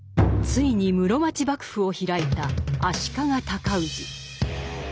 ついに室町幕府を開いた足利尊氏。